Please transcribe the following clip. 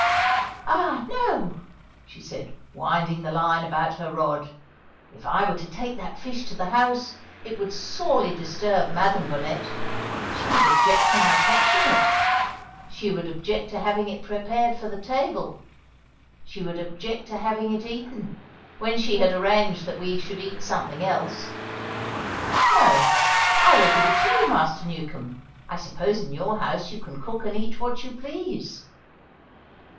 "Ah, no!" she said, winding the line about her rod; "if I were to take that fish to the house, it would sorely disturb Madam Bonnet. She would object to my catching it; she would object to having it prepared for the table; she would object to having it eaten, when she had arranged that we should eat something else. No, I will give it to you, Master Newcombe; I suppose in your house you can cook and eat what you please."